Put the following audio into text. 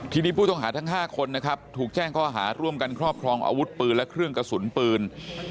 ทีนี้ผู้ต้องหาทั้ง๕คนนะครับถูกแจ้งข้อหาร่วมกันครอบครองอาวุธปืนและเครื่องกระสุนปืน